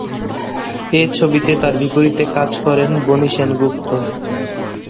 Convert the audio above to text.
এই ছবিতে তার বিপরীতে কাজ করেন বনি সেনগুপ্ত।